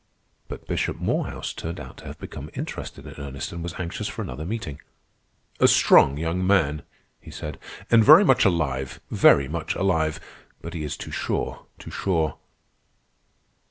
But Bishop Morehouse turned out to have become interested in Ernest, and was anxious for another meeting. "A strong young man," he said; "and very much alive, very much alive. But he is too sure, too sure."